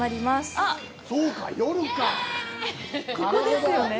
あっ、ここですよね？